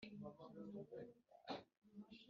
Kubera kubura imfuruka icyo zifungura n'icyo zifubika